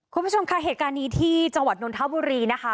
คุณผู้ชมค่ะเหตุการณ์นี้ที่จังหวัดนนทบุรีนะคะ